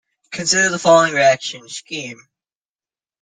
Consider the following reaction scheme.